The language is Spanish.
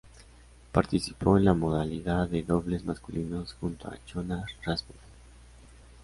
Participó en la modalidad de Dobles masculinos junto a Jonas Rasmussen.